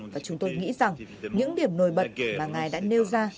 và chúng tôi nghĩ rằng những điểm nổi bật mà ngài đã nêu ra